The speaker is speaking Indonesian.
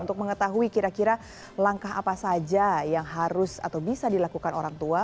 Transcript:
untuk mengetahui kira kira langkah apa saja yang harus atau bisa dilakukan orang tua